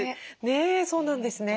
ねえそうなんですね。